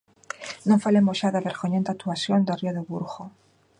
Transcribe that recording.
Non falemos xa da vergoñenta actuación da ría do Burgo.